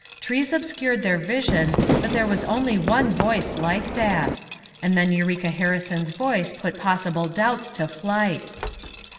Trees obscured their vision but there was only one voice like that. And then Eureka Harrison's voice put possible doubts to flight.